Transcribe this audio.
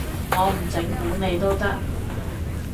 我唔整蠱你都得